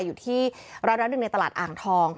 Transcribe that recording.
อยู่ที่ร้านหน้าดึกในตลาดอางทอง